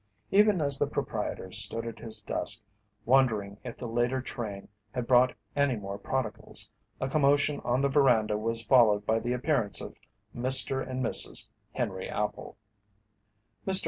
Even as the proprietor stood at his desk wondering if the later train had brought any more prodigals, a commotion on the veranda was followed by the appearance of Mr. and Mrs. Henry Appel. Mr.